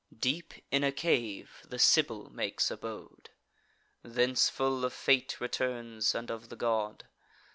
Deep in a cave the Sibyl makes abode; Thence full of fate returns, and of the god.